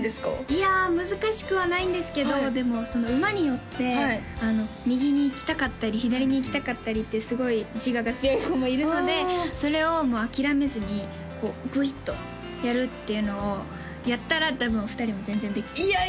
いや難しくはないんですけどでもその馬によって右に行きたかったり左に行きたかったりってすごい自我が強い子もいるのでそれを諦めずにこうグイッとやるっていうのをやったら多分お二人も全然できると思います